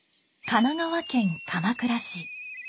神奈川県鎌倉市。